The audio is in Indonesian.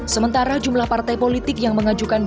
sementara jumlah partai politik yang mengajukan